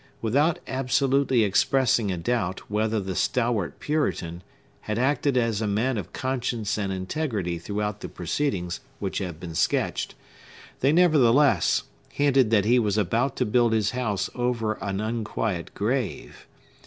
Without absolutely expressing a doubt whether the stalwart Puritan had acted as a man of conscience and integrity throughout the proceedings which have been sketched, they, nevertheless, hinted that he was about to build his house over an unquiet grave.